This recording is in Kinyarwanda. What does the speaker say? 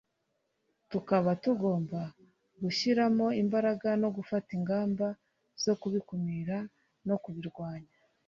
tukaba tugomba gushyiramo imbaraga no gufata ingamba zo kubikumira no kubirwanya